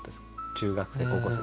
中学生高校生。